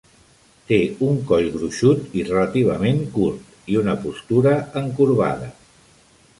Té un coll gruixut i relativament curt, i una postura encorbada.